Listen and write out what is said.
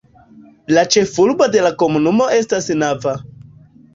La ĉefurbo de la komunumo estas Nava.